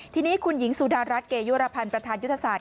ทีนี้คุณหญิงสุดารัฐเกยุรพันธ์ประธานยุทธศาสต